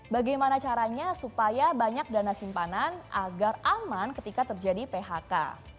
bagaimana caranya supaya banyak dana simpanan agar aman ketika terjadi phk